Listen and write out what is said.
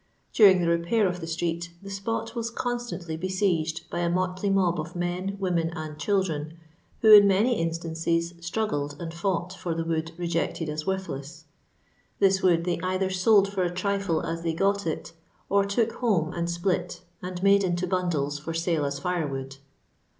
During the repair of the street, the spot was constantly be sieged by a motley mob of men, women, and chil dren, who, in many instances, struggled and fought for the wood rejected as vrorthless. This wood they either sold for a trifle as they got it, or took home and split, and made into bundles for sale as firewood.